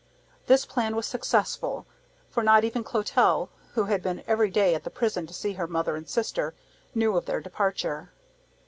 This plan was successful; for not even Clotel, who had been every day at the prison to see her mother and sister, knew of their departure.